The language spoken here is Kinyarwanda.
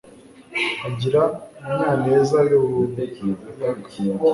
Agira Munyaneza wi Buyaga